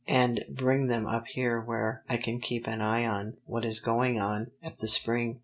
"And bring them up here where I can keep an eye on what is going on at the spring.